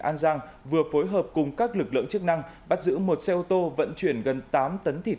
an giang vừa phối hợp cùng các lực lượng chức năng bắt giữ một xe ô tô vận chuyển gần tám tấn thịt